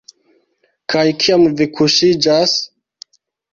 Kaj kiam vi kuŝiĝas?